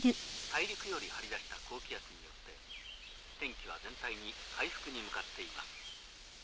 大陸より張り出した高気圧によって天気は全体に回復に向かっています。